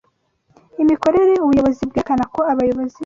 Imikorere Ubuyobozi bwerekana ko abayobozi